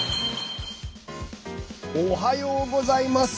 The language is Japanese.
おはようございます！